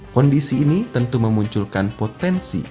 kondisi ini tentu memunculkan potensi